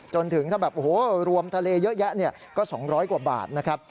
จนถึงถ้าแบบโอ้โหรวมทะเลเยอะแยะก็๒๐๐กว่าบาทนะครับ